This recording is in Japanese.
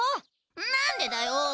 なんでだよ！